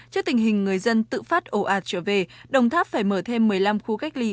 trước tình hình người dân tự phát ồ ạt trở về đồng tháp phải mở thêm một mươi năm khu cách ly